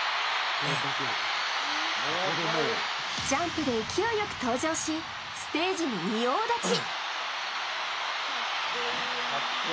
ジャンプで勢いよく登場し、ステージに仁王立ち。